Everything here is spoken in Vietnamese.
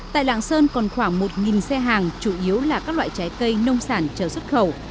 tại lạng sơn còn khoảng một xe hàng chủ yếu là các loại trái cây nông sản chờ xuất khẩu